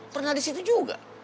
pernah disitu juga